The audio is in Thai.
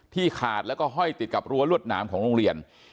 ขาดแล้วก็ห้อยติดกับรั้วรวดหนามของโรงเรียน